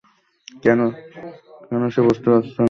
কেন সে বুঝতে পারছে না?